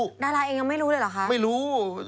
ดาราเองยังไม่รู้เลยเหรอคะ